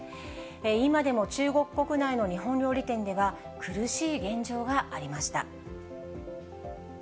今でも中国国内の日本料理店では、苦しい現状がありました。